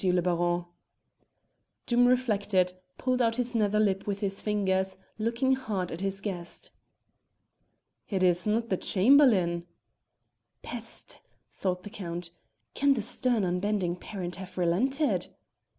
le Baron." Doom reflected, pulled out his nether lip with his fingers, looking hard at his guest. "It is not the Chamberlain?" "Peste!" thought the Count, "can the stern unbending parent have relented?